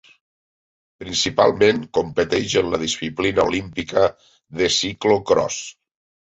Principalment, competeix en la disciplina olímpica de ciclocròs.